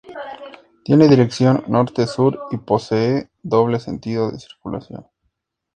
Tiene dirección norte-sur y posee doble sentido de circulación.